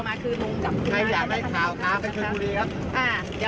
ใครอยากให้ข่าวค่ะไปชนบุรีครับ